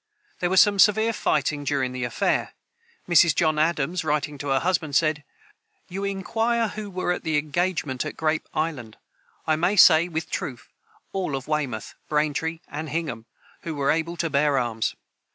There was some severe fighting during the affair. Mrs. John Adams, writing to her husband, said: "You inquire who were at the engagement at Grape island. I may say with truth, all of Weymouth, Braintree, and Hingham, who were able to bear arms....